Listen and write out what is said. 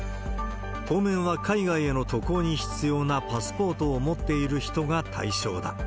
当面は海外への渡航に必要なパスポートを持っている人が対象だ。